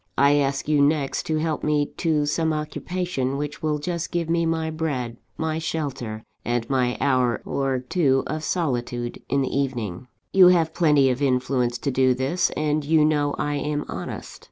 I ask you next, to help me to some occupation which will just give me my bread, my shelter, and my hour or two of solitude in the evening. You have plenty of influence to do this, and you know I am honest.